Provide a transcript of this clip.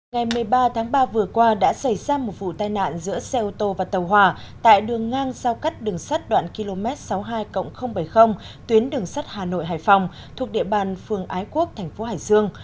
ngày một mươi ba tháng ba vừa qua đã xảy ra một vụ tai nạn giữa xe ô tô và tàu hỏa tại đường ngang giao cắt đường sắt đoạn km sáu mươi hai bảy mươi tuyến đường sắt hà nội hải phòng thuộc địa bàn phường ái quốc thành phố hải dương